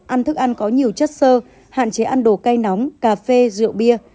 ăn thức ăn có nhiều chất sơ hạn chế ăn đồ cây nóng cà phê rượu bia